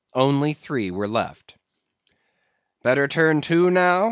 Only three were left. "'Better turn to, now?